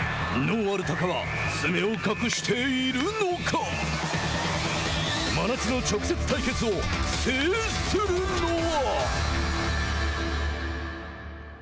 能あるタカは爪を隠しているのか真夏の直接対決を制するのは。